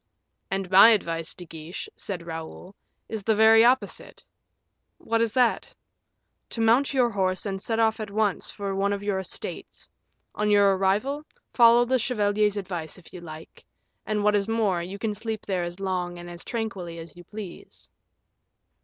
"And my advice, De Guiche," said Raoul, "is the very opposite." "What is that?" "To mount your horse and set off at once for one of your estates; on your arrival, follow the chevalier's advice, if you like; and, what is more, you can sleep there as long and as tranquilly as you please."